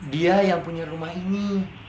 dia yang punya rumah ini